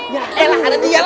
ya elah ada dia lagi